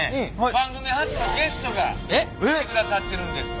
番組初のゲストが来てくださってるんですわ。